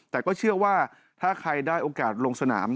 แต่ก็เชื่อว่าถ้าใครได้โอกาสลงสนาม